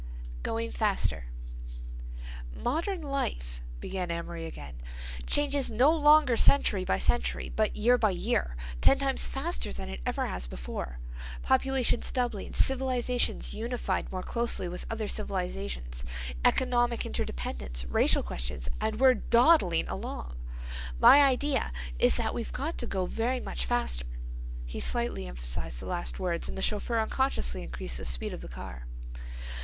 GOING FASTER "Modern life," began Amory again, "changes no longer century by century, but year by year, ten times faster than it ever has before—populations doubling, civilizations unified more closely with other civilizations, economic interdependence, racial questions, and—we're dawdling along. My idea is that we've got to go very much faster." He slightly emphasized the last words and the chauffeur unconsciously increased the speed of the car.